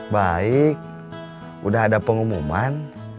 baik udah ada pengumuman